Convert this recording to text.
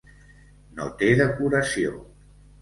No té decoració.